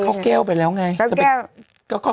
เขาแก้วไปแล้วไง